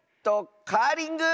カーリング！